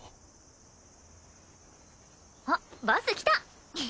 あっバス来た！